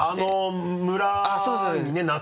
村にね夏。